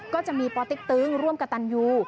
ก็จะมีปติ๊กตึงร่วมกับตันยู